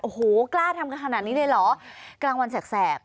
โอ้โหกล้าทำกันขนาดนี้เลยเหรอกลางวันแสก